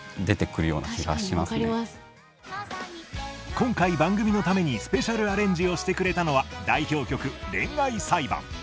今回番組のためにスペシャルアレンジをしてくれたのは代表曲「恋愛裁判」。